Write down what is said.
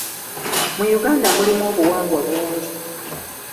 Mu Uganda mulimu obuwangwa bungi.